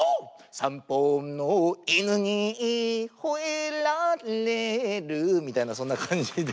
散歩の犬にほえられるみたいなそんな感じで。